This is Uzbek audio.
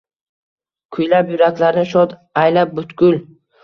Kuylab yuraklarni shod ayla butkul.